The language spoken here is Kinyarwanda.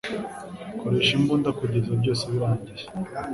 koresha imbunda kugeza byose birangiye